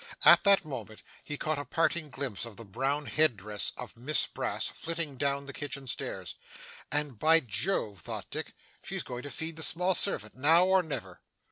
At that moment he caught a parting glimpse of the brown head dress of Miss Brass flitting down the kitchen stairs. 'And by Jove!' thought Dick, 'she's going to feed the small servant. Now or never!